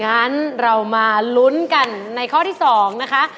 งั้นเรามาลุ้นกันในข้อที่๒นะคะ